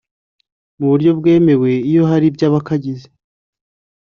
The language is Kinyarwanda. mu buryo bwemewe iyo hari by abakagize